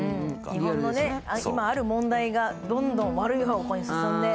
日本の今ある問題がどんどん悪い方向に進んで。